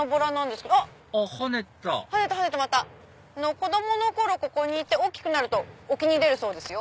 子供の頃ここにいて大きくなると沖に出るそうです。